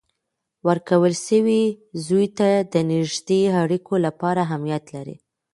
ورکول سوی زوی د نږدې اړیکو لپاره اهمیت لري.